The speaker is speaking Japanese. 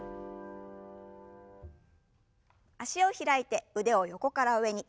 脚を開いて腕を横から上に。